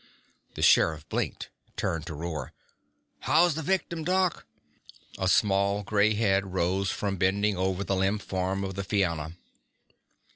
The sheriff blinked, turned to roar, "How's the victim, Doc?" A small gray head rose from bending over the limp form of the Fianna.